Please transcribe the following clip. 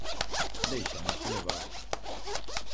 Deixándose levar.